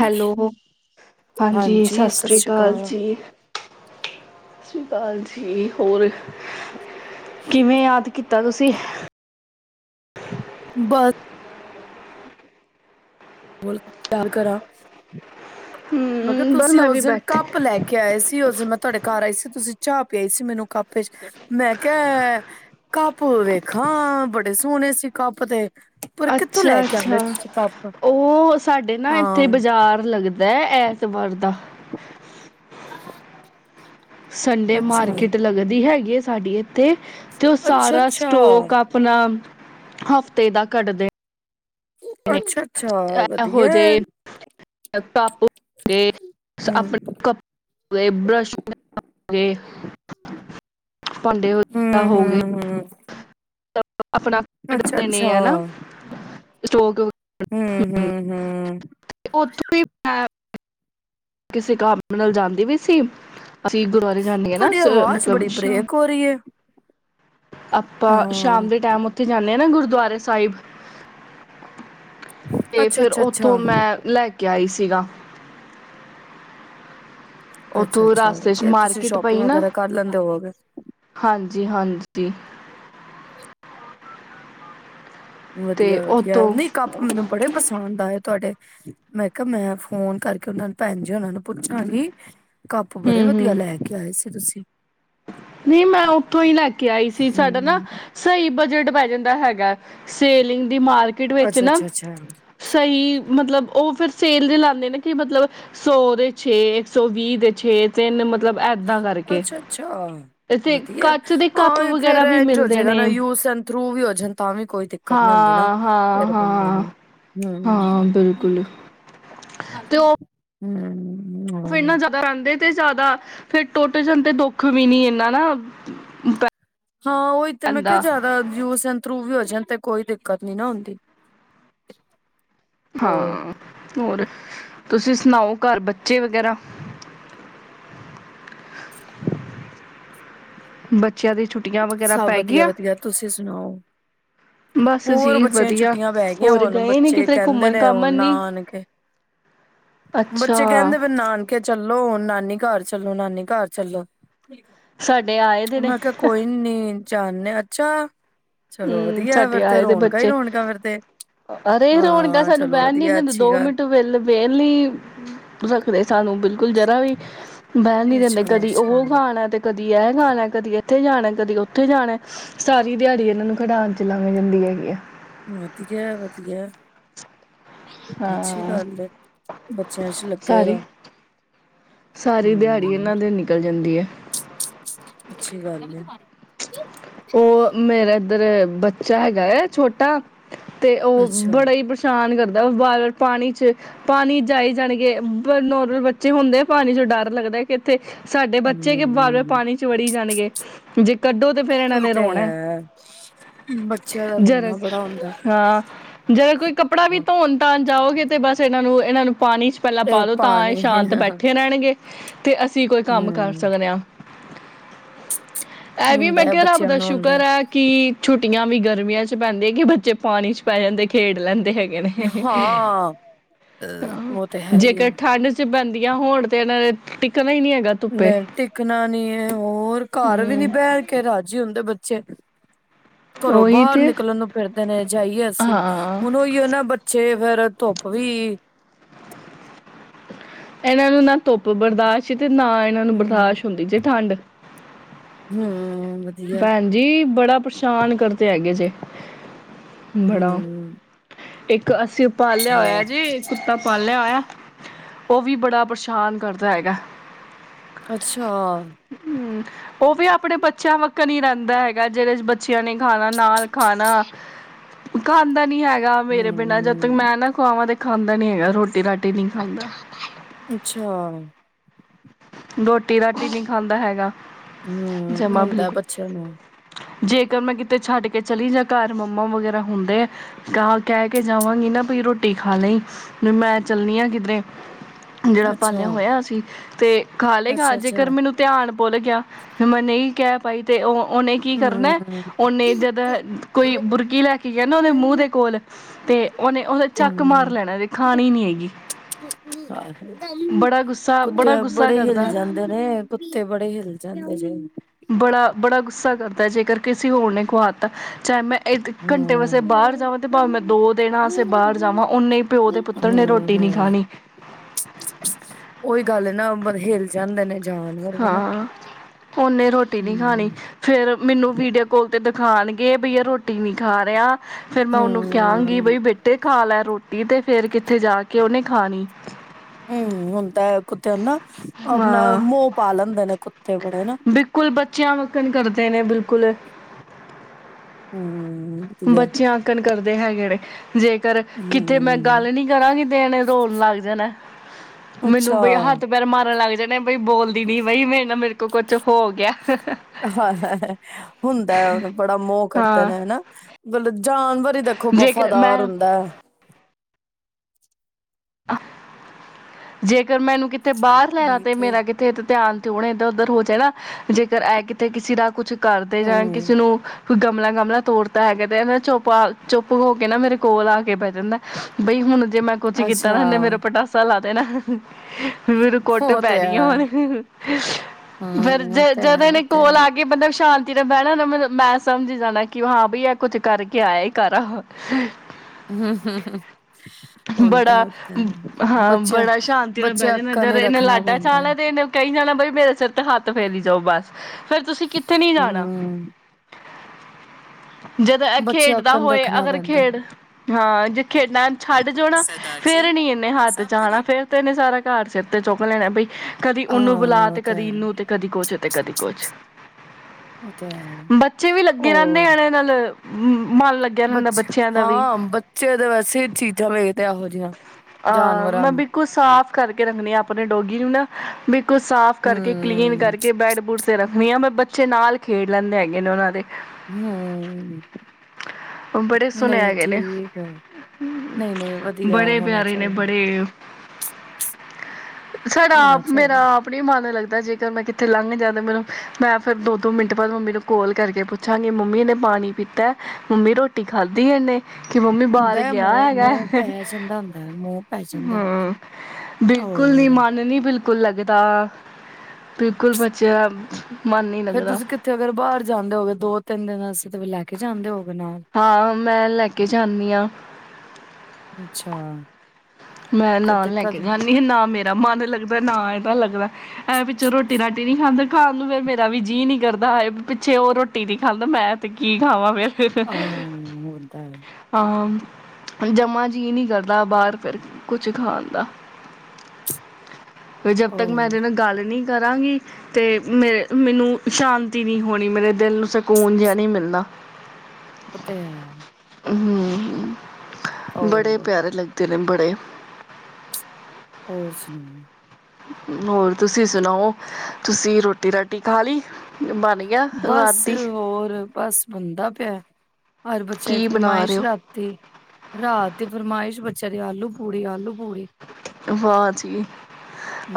Hello, ਹਾਂਜੀ! ਸਤਿ ਸ਼੍ਰੀ ਅਕਾਲ ਜੀ। ਸਤਿ ਸ਼੍ਰੀ ਅਕਾਲ ਜੀ ਹੋਰ? ਕਿਵੇਂ ਯਾਦ ਕੀਤਾ। ਤਾ ਤੁਸੀਂ ਬੰ ਹੋਰ ਕਰਾਂ? ਮੈਂ ਕਿਹਾ ਹਮ ਬਸ ਤੁਸੀਂ ਮੈਂ ਵੀ ਉਸ ਦਿਨ ਬੈਠੀ ਕੱਪ ਲੈ ਕੇ ਆਏ ਸੀ ਉਸ ਦਿਨ ਮੈਂ ਤੁਹਾਡੇ ਘਰ ਆਈ ਸੀ ਤੁਸੀਂ ਚਾਹ ਪਿਆਈ ਸੀ ਮੈਨੂੰ ਕੱਪ ਚ ਮੈਂ ਕਿਹਾ ਕੱਪ ਵੇਖਾਂ ਬੜੇ ਸੋਹਣੇ ਸੀ ਕੱਪ ਤੇ ਪਰ ਕਿੱਥੋਂ ਲੈ ਅੱਛਾ ਕੇ ਆਉਂਦੇ ਅੱਛਾ ਤੁਸੀਂ ਕੱਪ ਉਹ ਸਾਡੇ ਨਾ ਇੱਥੇ ਹਾਂ ਬਾਜ਼ਾਰ ਲੱਗਦਾ ਐਤਵਾਰ ਦਾ ਹਾਂ ਸੰਡੇ ਮਾਰਕੀਟ ਲੱਗਦੀ ਹੈਗੀ ਸਾਡੀ ਇਹ ਤੇ ਤੇ ਉਹ ਅੱਛਾ ਸਾਰਾ ਅੱਛਾ ਸਟੋਕ ਆਪਣਾ ਹਫ਼ਤੇ ਦਾ ਕੱਢਦੇ ਨੇ ਅੱਛਾ ਅੱਛਾ ਵਧੀਆ ਅ ਟਪ ਹੋਗੇ, ਹਮ ਆਪਣੇ ਕੱਪੜੇ, ਬਰੱਸ਼ ਹੋਗੇ, ਵੈ ਭਾਂਡੇ ਵਗੈਰਾ ਹਮ ਹੋ ਗਏ ਹਮ ਹਮ ਆਪਣਾ ਕੱਢ ਅੱਛਾ ਲਣੇ ਅੱਛਾ ਹੈਨਾ ਸਟੋਕ ਹਮ ਹਮ ਹਮ ਉੱਥੋਂ ਹੀ ਮੈਂ ਕਿਸੇ ਕਮ ਨਾਲ ਜਾਂਦੀ ਵੀ ਸੀ ਅਸੀਂ ਗੁਰਦੁਆਰੇ ਜਾਂਦੇ ਆ ਨਾ ਤੁਹਾਡੀ ਸ ਆਵਾਜ਼ ਮਤਲਬ ਬੜੀ ਸ਼ਾਮ ਬ੍ਰੇਕ ਹੋ ਰਹੀ ਹੈ ਆਪਾਂ ਹਾਂ ਸ਼ਾਮ ਦੇ ਟਾਈਮ ਉੱਥੇ ਜਾਂਦੇ ਹਾਂ ਨਾ ਗੁਰਦੁਆਰੇ ਸਾਹਿਬ ਤੇ ਅੱਛਾ, ਫਿਰ ਅੱਛਾ, ਅੱਛਾ, ਉੱਥੋਂ ਮੈਂ ਲੈ ਕੇ ਆਈ ਸੀ ਸੀਗਾ ਅੱਛਾ ਉੱਥੋਂ ਅੱਛਾ ਰਾਸਤੇ ਚ ਵਧੀਆ ਤੁਸੀਂ ਮਾਰਕੀਟ ਸ਼ੋਪਿੰਗ ਪਈ ਵਗੈਰਾ ਕਰ ਲੈਂਦੇ ਹੋਗੇ ਜੀ ਹਾਂਜੀ ਤੇ ਵਧੀਆ ਵਧੀਆ ਉੱਥੋਂ ਨਹੀਂ ਕੱਪ ਮੈਨੂੰ ਬੜੇ ਪਸੰਦ ਆਏ ਤੁਹਾਡੇ ਮੈਂ ਕਿਹਾ ਮੈਂ ਫੋਨ ਕਰਕੇ ਉਹਨਾਂ ਨੂੰ ਭੈਣ ਜੀ ਹੁਨਾ ਨੂੰ ਪੁੱਛਣਾ ਗੀ ਕੱਪ ਬੜੇ ਹੂੰ ਵਧੀਆ ਹੂੰ ਲੈ ਕੇ ਆਏ ਸੀ ਤੁਸੀਂ ਨਹੀਂ ਮੈਂ ਉੱਥੋਂ ਹੀ ਲੈ ਕੇ ਆਈ ਸੀ ਸਾਡਾ ਨਾ ਹੂੰ ਸਹੀ ਬਜਟ ਪੈ ਜਾਂਦਾ ਹੈਗਾ ਸੇਲਿੰਗ ਦੀ ਮਾਰਕੀਟ ਵਿੱਚ ਅੱਛਾ, ਨਾ ਅੱਛਾ, ਅੱਛਾ, ਸਹੀ ਮਤਲਬ ਉਹ ਫੇਿਰ ਸੇਲ ਦੇ ਲਾਂਦੇ ਨੇ ਕਿ ਮਤਲਬ ਸੌ ਦੇ ਛੇ ਇੱਕ ਸੌ ਵੀਹ ਦੇ ਛੇ ਤਿੰਨਲਬ ਮਤਲਬ ਏਦਾਂ ਕਰਕੇ ਹਾਂ ਤੇ ਵਧੀਆ ਕੱਚ ਦੇ ਕੱਪ ਹਾਂ ਫੇਿਰ ਵਗੈਰਾ ਵੀ ਇੰਝ ਹੋ ਮਿਲਦੇ ਜਾਏਗਾ ਨੇ ਨਾ ਯੂਸ ਥਰੂ ਵੀ ਹੋ ਜਾਂ ਤਾਂ ਵੀ ਕੋਈ ਦਿੱਕਤ ਨੀ ਹੁੰਦੀ ਨਾ ਹਾਂ ਹਾਂ ਫਿਰ ਬੰਦੇ ਹਾਂ ਨੂੰ ਹਮ ਹਾਂ ਬਿਲਕੁਲ ਤੇ ਉਹ ਹਮ ਫਿਰ ਨਾ ਜ਼ਿਆਦਾ ਰਹਿੰਦੇ ਤੇ ਜ਼ਿਆਦਾ ਫਿਰ ਟੁੱਟ ਜਾਂਣ ਤੇ ਦੁੱਖ ਵੀ ਨੀ ਇਨਾ ਨਾ ਹਾਂ ਉਹੀ ਤਾਂ ਮੈਂ ਕਿਹਾ ਪੈਂਦਾ ਜ਼ਿਆਦਾ ਯੂਸ ਏਨ ਰੂ ਵੀ ਹੋ ਤੇ ਕੋਈ ਦਿੱਕਤ ਨੀ ਨਾ ਹੁੰਦੀ ਹੋਰ ਹਾਂ ਹੋਰ ਤੁਸੀਂ ਸੁਣਾਓ ਘਰ ਬੱਚੇ ਵਗੈਰਾ ਬੱਚਿਆਂ ਦੀ ਛੁੱਟੀ ਸਭ ਵਧੀਆ ਵਧੀਆ ਤੁਸੀਂ ਸੁਣਾਓ ਬਸ ਹੋਰ ਜੀ ਬੱਚਿਆਂ ਵਧੀਆ ਛੁੱਟੀਆਂ ਪੈ ਗਈਆਂ ਹੋਰ ਹੋੁਣ ਗਏ ਨੀ ਬੱਚੇ ਕਿਤੇ ਕਹਿੰਦੇ ਘੁੰਮਣ ਨੇ ਉਹ ਘਾਮਣ ਨੀ ਨਾਨਕੇ ਬੱਚੇ ਅੱਛਾ ਕਹਿੰਦੇ ਵੀ ਨਾਨਕੇ ਚੱਲੋ ਹੁਣ ਨਾਨੀ ਘਰ ਚੱਲੋ ਨਾਨੀ ਘਰ ਚੱਲੋ ਸਾਡੇ ਆਏ ਦੇ ਨੇ ਤਿੰਨ ਚਾਰ ਨੇ ਅੱਛਾ ਚਲੋ ਹਮ ਵਧੀਆ ਸਾਛਡੇ ਫਿਰ ਤੇ ਆਏ ਦੇ ਰੌਣਕਾਂ ਹੀ ਬੱਚੇ ਰੌਣਕਾਂ ਫਿਰ ਤੇ ਅਰੇ ਰੋਣ ਹਾਂ ਸਾਨੂੰ ਚਲੋ ਵਹਿਣ ਨੀ ਵਧੀਆ ਦਿੰਦੇ ਅੱਛੀ ਦੋ ਗੱਲ ਮਿੰਟ ਵੇਹਲ ਵੇਲ ਨੀ ਰੱਖਦੇ ਸਾਨੂੰ ਬਿਲਕੁਲ ਦਾ ਵੀ ਬਹਿਣ ਨੀ ਦਿੰਦੇ ਅੱਛਾ ਕਦੀ ਅੱਛਾ ਉਹ ਖਾਣਾ ਤੇ ਕਦੀ ਇਹ ਖਾਣਾ ਕਦੀ ਇੱਥੇ ਜਾਣਾ ਕਦੀ ਉੱਥੇ ਜਾਣਾ ਸਾਰੀ ਦਿਹਾੜੀ ਇਹਨਾਂ ਨੂੰ ਖਿਡਣ ਚ ਲਾਗ ਜਾਂਦੀ ਹੈਗੀ ਆ ਵਧੀਆ ਵਧੀਆ ਅੱਛੀ ਹਾਂ ਗੱਲ ਏ ਬੱਚਿਆਂ ਚ ਲੱਗੇ ਸਾਰੀ ਰਹੋ ਸਾਰੀ ਦਿਹਾੜੀ ਹੂੰ ਇਹਨਾਂ ਦੇ ਨਿਕਲ ਜਾਂਦੀ ਹੈ ਅੱਛੀ ਗੱਲ ਹੈ ਉਹ ਮੇਰਾ ਇੱਧਰ ਬੱਚਾ ਹੈਗਾ ਹੈ ਛੋਟਾ ਤੇ ਉਹ ਅੱਛਾ ਹੂੰ ਬੜਾ ਹੀ ਪਰੇਸ਼ਾਨ ਕਰਦਾ ਵਾਰ ਵਾਰ ਪਾਣੀ ਚ ਪਾਣੀ ਜਾਈ ਜਾਣਗੇ ਨੋਰਮਲ ਬੱਚੇ ਹੁੰਦੇ ਪਾਣੀ ਚੋਂ ਡਰ ਲੱਗਦਾ ਕਿ ਇੱਥੇ ਸਾਡੇ ਬੱਚੇ ਕਿ ਵਾਰ ਵਾਰ ਪਾਣੀ ਚ ਵੜੀ ਜਾਣਗੇ ਜੇ ਕੱਢੋ ਫਿਰ ਇਹਨਾਂ ਉਹ ਨੇ ਤੇ ਰੋਣਾ ਹੈ ਬੱਚਿਆਂ ਦਾ ਜਰ ਰੋਣਾ ਬੜਾ ਹੁੰਦਾ ਹਾਂ ਜਦ ਕੋਈ ਕੱਪੜਾ ਵੀ ਧੋਣ ਧਣ ਜਾਓਗੇ ਤੇ ਬਸ ਇਹਨਾਂ ਨੂੰ ਇਹਨਾਂ ਨੂੰ ਪਾਣੀ ਚ ਪਹਿਲਾਂ ਤੇ ਪਾਲੋ ਤਾਂ ਪਾਣੀ ਇਹ ਹੂੰ ਸ਼ਾਂਤ ਬੈਠੇ ਰਹਿਣਗੇ ਤੇ ਅਸੀਂ ਕੋਈ ਕੰਮ ਕਰ ਸਕਦੇ ਹਾਂ ਇਹ ਵੀ ਮੈਂ ਹੁੰਦਾ ਆ ਕਿਹਾ ਬ ਰੱਬ ਦਾ ਸ਼ੁਕਰ ਹੈ ਕਿ ਛੁ ਛੁਟੀਆਂ ਵੀ ਗਰਮੀਆਂ ਚ ਪੈਂਦੀਆਂ ਕਿ ਬੱਚੇ ਪਾਣੀ ਚ ਪੈ ਜਾਂਦੇ ਖੇਡ ਲੈਂਦੇ ਹੈਗੇ ਨੇ ਹਾਂ ਉਹ ਤੇ ਹ ਹੈ ਹੀ ਆ ਜੇਕਰ ਠੰਡ ਚ ਬੰ ਹੋਣ ਤੇ ਇਨਾ ਦੇ ਟਿਕ ਨਹੀਂ ਟਿਕਣਾ ਨੀ ਹੈ ਹੋਰ ਘਰ ਵੀ ਨੀ ਹਮ ਬਹਿਠ ਕੇ ਰਾਜੀ ਹੁੰਦੇ ਬੱਚੇ ਚੱਕ ਘਰੋਂ ਉਹੀ ਬਾਹਰ ਤੇ ਨਿਕਲਣ ਨੂੰ ਫਿਰਦੇ ਨੇ ਜਾਈਏ ਅਸੀਂ ਹਾਂ ਹੁਣ ਉਹੀ ਉਹ ਨਾ ਬੱਚੇ ਫੇਰ ਧੁੱਪ ਵੀ ਇਹਨਾਂ ਨੂੰ ਨਾ ਧੁੱਪ ਬਰਦਾਸ਼ਤ ਤੇ ਨਾ ਇਹਨਾਂ ਨੂੰ ਬਰਦਾਸ਼ਤ ਹੁੰਦੀ ਜੇ ਠੰਡ ਹਮ ਭੈਣਜੀ ਬੜਾ ਪਰੇਸ਼ਾਨ ਕਰਦੇ ਹੈਗੇ ਜੇ ਬੜਾ ਹਮ ਇੱਕ ਅਸੀ ਪ ਲਿਆ ਹੋਇਆ ਜੀ ਕੁੱਤਾ ਪਾਲ ਲਿਆ ਹੋਇਆ ਉਹ ਵੀ ਬੜਾ ਪਰੇਸ਼ਾਨ ਕਰਦਾ ਹੈਗਾ ਅੱਛਾ ਹਮ ਉਹ ਵੀ ਆਪਣੇ ਬੱਚਿਆਂ ਵੱਖਣ ਹੀ ਰਹਿੰਦਾ ਹੈਗਾ ਜਿਹੜੇ ਬੱਚਿਆਂ ਨੇ ਖਾਣਾ ਨਾਲ ਖਾਣਾ ਖਾਂਦਾ ਨੀ ਹੈਗਾ ਗਾ ਮੇਰੇ ਬਿਨਾਂ ਜਦੋਂ ਤੱਕ ਹੂੰ ਮੈਂ ਨਾ ਖੁਵਾਵਾਂ ਦੇ ਖਾਂਦਾ ਨੀ ਹੈਗਾ ਰੋਟੀ ਰਾਟੀ ਨਹੀਂ ਖਾਂਦਾ ਅੱਛਾ ਰੋਟੀ ਰਾਟੀ ਨਹੀਂ ਖਾਂਦਾ ਹੈਗਾ ਹਮ ਜਮਾ ਹੁੰਦਾ ਬਿਲਕੁਲ ਬੱਚਿਆਂ ਨੂੰ ਜੇਕਰ ਮੈਂ ਕਿਤੇ ਛੱਡ ਕੇ ਚਲੀ ਜਾਂ ਘਰ ਮੰਮਾ ਵਗੈਰਾ ਹੁੰਦੇ ਆ ਤਾਂ ਕਹਿ ਕੇ ਜਾਵਾਂਗੀ ਨਾ ਵੀ ਰੋਟੀ ਖਾ ਲਈ ਮੈਂ ਚੱਲਣੀ ਆਂ ਕਿਧਰੇ ਜਿਹੜਾ ਅੱਛਾ, ਪਾਲਿਆ ਹੋਇਆ ਅਸੀ ਤੇ ਖਾ ਲਏਗਾ ਅੱਛਾ-ਅੱਛਾ, ਜੇਕਰ ਮੈਨੂੰ ਧਿਆਨ ਭੁੱਲ ਗਿਆ ਫ ਮੈਂ ਨਹੀਂ ਕਹਿ ਪਾਈ ਤੇ ਉਹ ਉਹਨੇ ਕੀ ਕਰਨਾ ਹੂੰ। ਉਹਓਨੇ ਜਦੋਂ ਕੋਈ ਬੁਰਕੀ ਲੈ ਕੇ ਗਿਆ ਨਾ ਦੇ ਮੂੰਹ ਦੇ ਕੋਲ ਤੇ ਉਹਨੇ ਉਹਦਾ ਚੱਕ ਮਾਰ ਹੂੰ, ਲੈਣਾ ਤੇ ਖਾਣੀ ਨੀ ਹੈਗੀ ਬੜਾ ਗੁੱਸਾ ਬੜਾ ਕੁੱਤੇ ਗੁੱਸਾ ਬੜੇ ਹਿਲ ਕਰਦਾ ਜਾਂਦੇ ਨੇ ਕੁੱਤੇ ਬੜੇ ਹਿਲ ਜਾਂਦੇ ਨੇ ਬੜਾ ਬੜਾ ਗੁੱਸਾ ਕਰਦਾ ਜੇਕਰ ਕਿਸੇ ਹੋਰ ਨੇ ਕੁਹਾਤਾ ਚਾਹੇ ਮੈਂ ਘੰਟੇ ਵਸੇ ਬਾਹਰ ਹੂੰ-ਹੂੰ, ਜਾਵਾਂ ਤੇ ਭਾਵੇਂ ਮੈਂ ਦੋ ਦਿਣਾ ਵਸੇ ਬਾਹਰ ਜਾਵਾਂ ਓਨੇ ਪਿਓ ਦੇ ਪੁੱਤਰ ਨੇ ਰੋਟੀ ਨੀ ਖਾਣੀ ਹੇਲ ਜਾਂਦੇ ਨੇ ਜਾਨਵਰ ਵੀ ਨਾ ਹਾਂ। ਉਹਨੇ ਰੋਟੀ ਨੀ ਖਾਣੀ, ਹੂੰ। ਫੇਰ ਮੈਨੂੰ ਵੀਡੀਓ ਕਾਲ ਤੇ ਦਿਖਾਉਣਗੇ ਬਈਆ ਰੋਟੀ ਨੀ ਖਾ ਰਿਹਾ ਫੇਰ ਮੈਂ ਉਹਨੂੰ ਕਹਾਂਗੀ ਹੂੰ, ਬਈ ਬੇਟੇ ਖਾ ਲੈ ਰੋਟੀ ਨੀ ਤੇ ਫੇਰ ਕਿੱਥੇ ਜਾ ਕੇ ਉਹਨੇ ਖਾਣੀ। ਹਮੱਮ, ਹੁਨਦੈ ਕੁੱਤੇਆਂ ਨਾ ਆਪਣਾ ਹਾਂ ਮੋਹ ਪਾ ਲੈਂਦੇ ਨੇ ਕੁੱਤੇ ਬੜੇ ਨਾ। ਚਿਆਂ ਵਾਕਨ ਕਰਦੇ ਨੇ ਬਿਲਕੁਲ। ਹਮੱਮ। ਬਚਿਆ ਆਕਨ ਕਰਦੇ ਹੈਗੇ ਨੇ ਜੇ ਕਰ ਕਿਤੇ ਮੈਂ ਹੂੰ, ਗੱਲ ਨੀ ਕਰਾਂਗੀ ਤੇ ਏਨੇ ਰੋਨ ਲੱਗ ਜਾਨਾ। ਅੱਛਾ ਮੈਨੂੰ ਬਈ ਹੱਥ ਪੈਰ ਮਾਰਨ ਲੱਗ ਜੇਗਾਚਚਚ ਬਈ ਬੋਲਦੀ ਨੀ ਬਾਈ ਮੇਰੇ ਨਾਲ ਕੁਛ ਹੋ ਗਿਆ। ਹਾਂ ਹੁੰਦਾ ਬੜਾ ਮੋਹ ਕਰਦੇ ਹਾਂ ਨੇ ਹਨਾ। [unintelligible] ਜਾਨਵਰ ਹੀ ਦੇਖੋ ਜੇਕਰ ਵਫ਼ਾਦਾਰ ਮੈਂ ਹੁੰਦਾ ਹੈ। ਜੇਕਰ ਮੈਨੂੰ ਕਿ ਤੇ ਬਾਹਰ ਲੈਆ ਤੇ ਮੇਰਾ ਕਿਥੇ ਧਿਆਨ ਹੁਣ ਇੱਧਰ ਉੱਧਰ ਹੋ ਜੲ ਗਾ ਜੇਕਰ ਐ ਕਿਤੇ ਕਿਸੇ ਦਾ ਕੁਛ ਘਰਦੇ ਜਾਂਨ ਕਿਸੇ ਹੂੰ, ਨੂੰ ਕੋਈ ਗਮਲਾ-ਗਮਲਾ ਤੋੜਤਾ ਹੈਗਾ ਤੇ ਇਹ ਚੁੱਪ ਆ ਚੁੱਪ ਹੋ ਕੇ ਨਾ ਮੇਰੇ ਕੋਲ ਆਕੇ ਬਹਿ ਜਾਂਦਾ, ਬਈ ਹੁਣ ਜੇ ਮੈਂ ਕੁਛ ਕੀ ਹਨ ਇਨੇ ਮੇਰਾ ਅੱਛਾ ਪਟਾਸਾ ਲਾਦੇਨਾ ਹੈ। ਫਿਰ ਮਨੁ ਕੁੱਟ ਉਹ ਤੇ ਪੈਣੀ ਆ ਹੈ ਹੁਣ। ਫੇਰ ਹੂੰ, ਉਹ ਤੇ ਜਦੋਂ ਦੇ ਹੈ ਇਹਨੇ ਉਹ ਤੇ ਕੋਲ ਹੈ ਆ ਕੇ ਬੰਦਾ ਸ਼ਾਂ ਤੇਰੇ ਬਹਿਣਾ ਮੈਂ ਸਮਝ ਹੀ ਜਾਨਾ ਕਿ ਹਾਂ ਬਈ ਇਹ ਕੁੱਝ ਕਰਕੇ ਆਇਆ ਕਾਰਾ। ਹਮ-ਹਮ-ਹਮ। ਉਹਦਾ। ਬੜਾ ਹਾਂ, ਬੜਾ ਸ਼ਾਂਤੀ ਨਾਲ ਬੈਜਾਂਦਾ ਅਕਣ ਜਦ ਹੀ ਇਹਨੇ ਰੱਖਣਾ ਲਾਡਾ ਚ ਪੈਂਦਾ ਆਨੈ ਹੈ। ਤੇ ਇਹਨੇ ਕਈ ਜਾਨਾ ਬਈ ਮੇਰੇ ਸਿਰ ਤੇ ਹੱਥ ਫੇਰੀ ਜਾਓ ਬਸ। ਫੇਰ ਤੁਸੀ ਕਿੱਥੇ ਨੀ ਜਾਨਾ। ਹੂੰ, ਜਦ ਐ ਬੱਚੇ ਖੇਡਦਾ ਅਕਣ ਹੋਏ ਰੱਖਣਾ ਅਗਰ ਪੈਂਦਾ। ਹੈ। ਖੇਡ ਹਾਂ, ਜੈ [inaudible] ਖੇਡਨਾ ਛੱਡ ਜਾਓ ਨਾ ਸਰਦਾਰ ਜੀ, ਫੇਰ ਨਿ ਇਹਨੇ ਹੱਥ ਵਟਸਐਪ ਚ ਆਨਾ ਫੇਰ ਤੇ ਇਹਨੇ ਸਾਰਾ ਘਰ ਸਿਰ ਤੇ ਚੁੱਕ ਲੈਣਾ ਬਈ ਕਦੀ ਨੂੰ ਬੁਲਾ ਹਾਂ ਉਹ ਤੇ ਕਦੀ ਹੈ ਇਹਨੂੰ ਤੇ ਕਦੀ ਕੁਛ ਤੇ ਕਦੀ ਕੁਛ ਉਹ ਤੇ ਹੈ ਬੱਚੇ ਵੀ ਲੱਗੇ ਰਹਿੰਦੇ ਆਣੇ ਨਾਲ ਹੂੰ। ਬਚੇ ਹਾਂ ਬੱਚੇ ਤਾਂ ਵੈਸੇ ਚੀਜ਼ਾਂ ਵੇਖਦੇ ਆਹ ਆ ਮੈਂ ਬਿਲਕੁਲ ਸਾਫ ਕਰਕੇ ਰੱਖਣੀ ਆ ਆਪਣੇ ਡੋਗੀ ਨੂੰ ਨਾ ਬਿਲਕੁਲ ਸਾਫ਼ ਕਰਕੇ ਹਮ ਕਲੀਨ ਕਰਕੇ ਬੈਡ ਬੂਡ ਤੇ ਰੱਖਣੀ ਆ ਮੈਂ ਬਚ ਚੇ ਨਾਲ ਖੇਡ ਲੈਂਦੇ ਹੈਗੇ ਨੇ ਉਹਨਾਂ ਦੇ ਹੂੰ, ਬੜੇ ਸੋਹਣੇ ਨਹੀਂ ਹੈਗੇ ਨੇ ਠੀਕ ਆ ਨਹੀਂ ਨਹੀਂ ਵਧੀ ਬੜੇ ਪਿਆਰੇ ਨੇ ਬੜੇ, ਸਾਡਾ ਹੋਣਾ ਆਪ ਮੇਰਾ ਚਾਹੀਦਾ ਆਪ ਨੀ ਮਨ ਲੱਗ ਵੈਸੇ ਜੇਕਰ ਮੈਂ ਕਿੱਥੇ ਲੰਘ ਜਾਂ ਤਾਂ ਮੈਨੂੰ ਮੈਂ ਫਿਰ ਦੋ ਦੋ ਮਿੰਟ ਬਾਅਦ ਮੰਮੀ ਨੂੰ ਕਲ ਕਰਕੇ ਪੁੱਛਾਂਗੀ ਮੰਮੀ ਇਹਨੇ ਪਾਣੀ ਪੀਤਾ? ਮੰਮੀ ਰੋਟੀ ਖਾਧੀ ਇਹਨੇ? ਕਿ ਮੰਮੀ ਬਾਹਰ ਹੁੰਦਾ ਹੈ ਗਿਆ ਮੋਹ ਹੈਗਾ? ਮੋਹ ਪੈ ਜਾਂਦਾ ਹੁੰਦਾ ਮੋਹ ਪੈ ਜਾਂਦਾ ਹਮ ਬਿਲਕੁਲ ਨੀ ਔਰ ਮਨ ਨੀ ਬਿਲਕੁਲ ਲੱਗਦਾ। ਬਿਲਕੁਲ ਬੱਚਿਆ ਫੇਰ ਤੁਸੀਂ ਕਿੱਥੇ ਅਗਰ ਬਾਹਰ ਜਾਂਦੇ ਹੋਗੇ ਤੋਂ ਤਿੰਨ ਦਿਨਾਂ ਸੀ ਤੇ ਫਿਰ ਲੈ ਕੇ ਜਾਂਦੇ ਹੋ? ਹਾਂ ਮੈਂ ਲੈ ਕੇ ਜਾਂਨੀ ਹਾਂ ਅੱਛਾ ਮੈਂ ਫਿਰ ਨਾਲ ਲੈ ਕੇ ਦਿੱਕਤ ਜਾਂਦੀ ਸੀ ਨਾ ਮੇਰਾ ਮਨ ਲੱਗਦਾ ਨਾ ਇਹਦਾ ਲੱਗਦਾ। ਐ ਪਿੱਛੋਂ ਰੋਟੀ ਰਾਟੀ ਨੀ ਖਾਂਦਾ ਖਾਣ ਨੂੰ ਫਿਰ ਮੇਰਾ ਵੀ ਜੀਅ ਨੀ ਕਰਦਾ ਹਾਏ ਪਿੱਛੇ ਉਹ ਰੋਟੀ ਨੀ ਖਾਂਦਾ ਮੈਂ ਤੇ ਕੀ ਖਾਵਾਂ ਫੇਿਰ ਹਾਂ ਹੋਦਾ ਆ ਜੰਮਾ ਜੀਅ ਨਹੀ ਕਰਦਾ ਬਾਹਰ ਫਿਰ ਕੁਛ ਖਾਣ ਦਾ ਜਬ ਤੱਕ ਮੈਂ ਹੋਰ ਇਹਦੇ ਨੂੰ ਗੱਲ ਨੀ ਕਰਾਂਗੀ ਤੇ ਮੇ ਮੈਨੂੰ ਸ਼ਾਂਤੀ ਨਹੀਂ ਹੋਣੀ ਮੇਰੇ ਦਿਲ ਨੂੰ ਸਕੂਨ ਜਿਹਾ ਨਹੀਂ ਮਿਲਦਾ। ਓਤੇ ਹੈ ਹੂੰ ਬੜੇ ਹੋਰ ਪਿਆਰੇ ਲੱਗ ਤਿਲੰਮਬਰੇ ਔਰ ਸੁਣਾਓ? ਹੋਰ ਤੁਸੀਂ ਸੁਣਾਓ। ਤੁਸੀਂ ਰੋਟੀ ਰਾਟੀ ਖਾ ਲਈ? ਬਣ ਗਿਆ ਬਸ ਰਾਤ ਦੀ ਹੋਰ ਬਸ ਬਨਦਾ ਪਿਆ। ਹਰ ਬੱਚਾ ਦੀ ਕੀ ਬਣਾ ਰਹੇ ਫਰਮਾਇਸ਼ ਹੋ ਰਾਤੀ, ਰਾਤ ਦੀ ਫਰਮਾਇਸ਼ ਬਚ ਚੜੇ ਆਲੂ--ਪੂੜੀ ਆਲੂ ਪੂੜੀ ਵਾਹ ਜੀ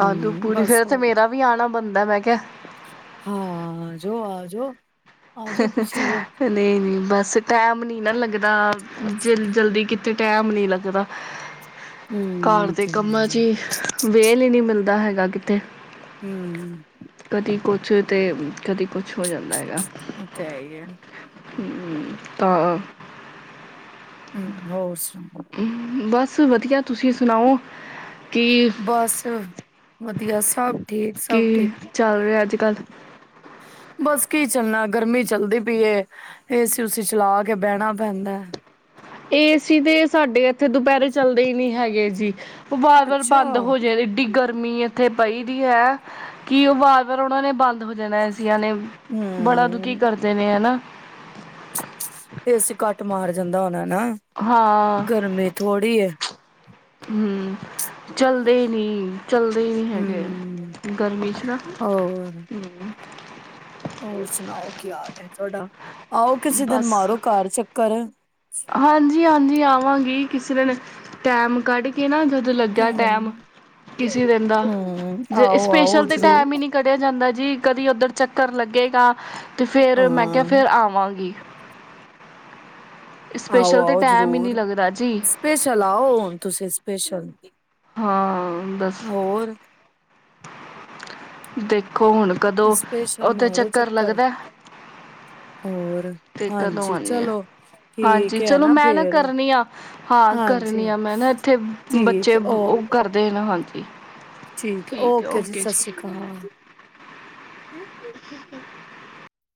ਆਲੂ ਪੂੜੀ ਬਸ ਫਿਰ ਤੇ ਹੋ ਮੇਰਾ ਵੀ ਆਣਾ ਬਣਦਾ ਮੈਂ ਕਿਹਾ ਹਾਂ ਜੋ ਆ ਜੋ ਨਹੀਂ ਨਹੀਂ ਬਸ ਟੈਮ ਨੀ ਨਾ ਲੱਗਦਾ ਜ ਜਲਦੀ ਕਿਤੇ ਟੈਮ ਨੀ ਲੱਗਦਾ ਘਰ ਹੂੰ ਦੇ ਤੇ ਕੰਮਾਂ ਚ ਹੀ ਵੇਹਲ ਹੀ ਨਹੀਂ ਮਿਲਦਾ ਹੈਗਾ ਲੱ ਕਿਥੇ ਹਮ ਹ ਕੁਛ ਤੇ ਕਦੀ ਕੁਛ ਹੋ ਜਾਂਦਾ ਹੈਗਾ ਈ ਆ ਤਾਂ ਹਮ ਹੋਰ ਸੁਣਾਓ ਬਸ ਵਧੀਆ ਤੁਸੀਂ ਸੁਣਾਓ ਕਿ ਬਸ ਵਧੀਆ ਸਭ ਠੀਕ ਕੀ ਸਭ ਠੀਕ ਚੱਲ ਰਿਹਾ ਅਜ ਕੱਲ ਬਸ ਕੀ ਚੱਲਣਾ ਗਰਮੀ ਚੱਲਦੀ ਪਈਏ ਏਸੀ ਸੀ ੳਸੀ ਚਲਾ ਕੇ ਬਹਿਣਾ ਪੈਂਦਾ ਹੈ ਏ ਸੀ ਤੇ ਸਾਡੇ ਇੱਥੇ ਦੁਪਹਿਰੇ ਚੱਲਦੇ ਹੀ ਨਹੀਂ ਹੈਗੇ ਜੀ ਉਹ ਵਾਰ ਵਾਰ ਅੱਛਾ ਬੰਦ ਹੋ ਜਾਏ ਇਏਡੀ ਗਰਮੀ ਇੱਥੇ ਪਈਦੀ ਹੈ ਕਿ ਉਹ ਵਾਰ ਵਾਰ ਉਹਨਾਂ ਨੇ ਬੰਦ ਹੋ ਜਾਣਾ ਏਸੀਆਂਨੇ ਬੜਾ ਦੁਖੀ ਹੂੰ ਕਰਦੇ ਨੇ ਹਨਾ ਤੇ ਅਸੀਂ ਕੱਟ ਮਾਰ ਜਾਂਦਾ ਉਹਨਾ ਨਾ ਹਾਂ ਗਰਮੀ ਥੋੜੀ ਹੈ ਹਮ ਚੱਲਦੇ ਹੀ ਨੀ ਚੱਲਦੇ ਹੀ ਨਹੀਂ ਹੈਗੇ ਹੂੰ ਗਰਮੀ 'ਚ ਨਾ ਹੋਰ ਹੋਰ ਸੁਣਾਓ ਕੀ ਹਾਲ ਹੈ ਤੁਹਾਡਾ ਆਓ ਕਿਸੇ ਦਿਨ ਮਾਰੋ ਘਰ ਚੱਕਰ ਹਾਂਜੀ ਹਾਂਜੀ ਆਵਾਂਗੀ ਕਿਸੇ ਦਿਨ ਟੈਮ ਕੱਢ ਕੇ ਨਾ ਜੋਂ ਲੱਗਿਆ ਹਮ ਟੈਮ ਕਿਸੇ ਦਿਨ ਦਾ ਹਮ ਜੇ ਆਓ ਆਓ ਸਪੇਸ਼ਲ ਤੇ ਜ਼ਰੂਰ ਟੈਮ ਹੀ ਨੀ ਕੱਢਿਆ ਜਾਂਦਾ ਜੀ ਕਦੀ ਉੱਧਰ ਚੱਕਰ ਲੱਗੇਗਾ ਤੇ ਫੇਰ ਮੈਂ ਕਿਹਾ ਹਾਂ ਫੇਰ ਆਵਾਂਗੀ ਆਓ ਸਪੈਸ਼ਲ ਤੇ ਆਓ ਟੈਮ ਹੀ ਨਹੀਂ ਜਰੂਰ ਲੱਗਦਾ ਜੀ ਸਪੈਸ਼ਲ ਆਓ ਹੁਣ ਤੁਸੀਂ ਸਪੈਸ਼ਲ ਇੱਕ ਹਾਂ ਬਸ ਦੇਖ ਦੇਖੋ ਹੁਣ ਕਦੋਂ ਸਪੈਸ਼ਲ ਓਥੇ ਮਾਰੋ ਚੱਕਰ ਲੱਗਦਾ ਹੋਰ ਤੇ ਕਦੋਂ ਹਾਂਜੀ ਆਉਣੀ ਆ ਚਲੋ ਹਾਂਜੀ ਠੀਕ ਹੈ ਚਲੋ ਮੈਂ ਨਾ ਫੇਰ ਕਰਨੀ ਆ ਹਾਂ ਕਰਨੀ ਹਾਂਜੀ ਆ ਮੈਂ ਨਾ ਇੱਥੇ ਬੱਚੇ ਠੀਕ ਓ ਉਹ ਕਰਦੇ ਨਾ ਹਾਂਜੀ [unintelligible] ਠੀਕ ਓਕੇ ਜੀ ਸਤਿ ਸ੍ਰੀ ਅਕਾਲ [unintelligible]